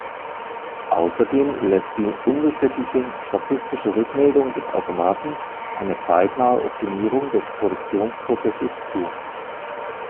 Außerdem lässt die unbestechliche statistische Rückmeldung des Automaten eine zeitnahe Optimierung des Produktionsprozesses zu.